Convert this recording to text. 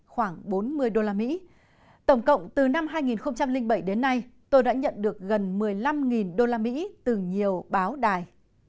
khoảng bốn mươi usd tổng cộng từ năm hai nghìn bảy đến nay tôi đã nhận được gần một mươi năm usd từ nhiều báo đài